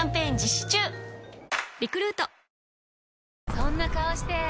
そんな顔して！